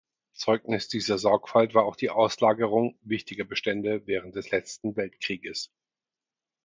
Zeugnis dieser Sorgfalt war auch die Auslagerung wichtiger Bestände während des letzten Weltkrieges.